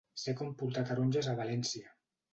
Ser com portar taronges a València.